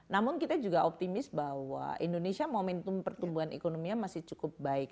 namun kita juga optimis bahwa indonesia momentum pertumbuhan ekonominya masih cukup baik